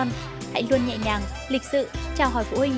lấy một miếng đi lấy một miếng